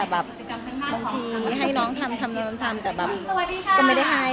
บางทีให้น้องทำทำแต่แบบก็ไม่ได้ให้